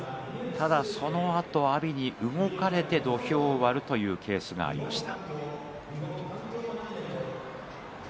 ただそのあと阿炎に動かれて土俵を割るというケースがありました。